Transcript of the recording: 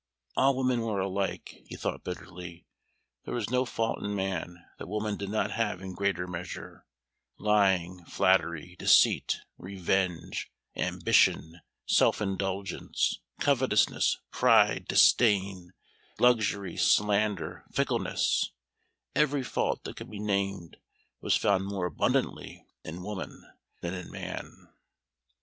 All women were alike, he thought bitterly; there was no fault in man that woman did not have in greater measure lying, flattery, deceit, revenge, ambition, self indulgence, covetousness, pride, disdain, luxury, slander, fickleness every fault that could be named, was found more abundantly in woman than in man.